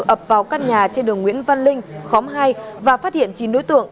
ập vào căn nhà trên đường nguyễn văn linh khóm hai và phát hiện chín đối tượng